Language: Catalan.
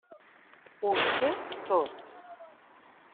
Ho sé tot.